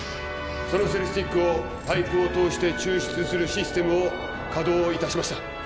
そのセルスティックをパイプを通して抽出するシステムを稼働いたしました